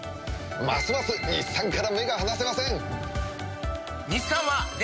ますます日産から目が離せません！